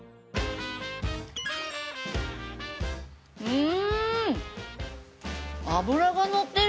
うん！